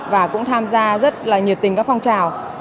và cũng tham gia rất là nhiệt tình các phong trào